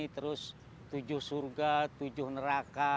terus tujuh surga tujuh neraka